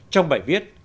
trong bài viết